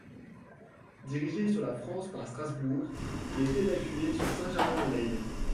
Dirigé sur la France par Strasbourg, il est évacué sur Saint-Germain-en-Laye.